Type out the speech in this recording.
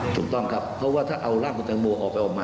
ถูกต้องครับเพราะว่าถ้าเอาร่างคุณตังโมออกไปออกมา